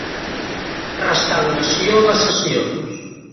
Restauració de sessions.